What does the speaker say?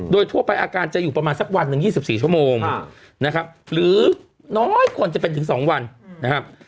โดยทั่วไปอาการจะอยู่ประมาณสักวันหนึ่ง๒๔ชั่วโมงนะครับหรือน้อยคนจะเป็นถึง๒วันนะครับ